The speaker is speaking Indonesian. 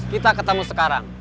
kita ketemu sekarang